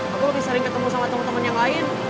aku lebih sering ketemu sama temen temen yang lain